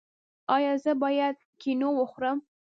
ایا زه باید کینو وخورم؟